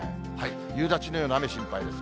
夕立のような雨、心配です。